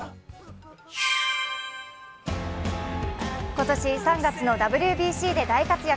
今年３月のＷＢＣで大活躍。